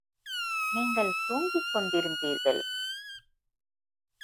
நீங்கள் தூங்கிக் கொண்டிருந்தீர்கள்.